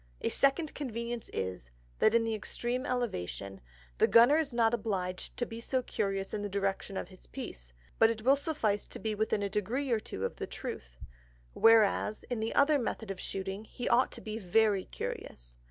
A Second Convenience is, that at the extream Elevation, the Gunner is not obliged to be so curious in the direction of his Piece, but it will suffice to be within a Degree or two of the Truth; whereas in the other Method of Shooting he ought to be very curious.